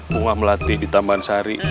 bunga melati di taman sari